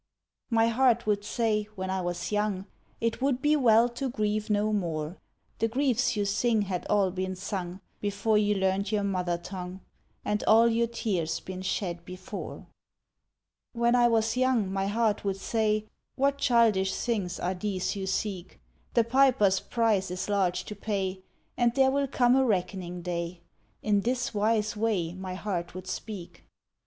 My heart would say, when I was young, "It would be well to grieve no more. The griefs you sing had all been sung Before you learned your mother tongue, And all your tears been shed before." When I was young my heart would say: "What childish things are these you seek? The piper's price is large to pay And there will come a reckoning day!" In this wise way my heart would speak.